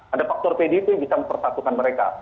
ada faktor pdip yang bisa mempersatukan mereka